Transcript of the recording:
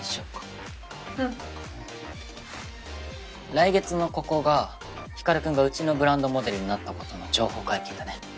来月のここが光君がうちのブランドモデルになったことの情報解禁だね。